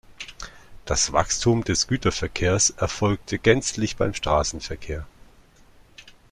Das Wachstum des Güterverkehrs erfolgte gänzlich beim Straßenverkehr .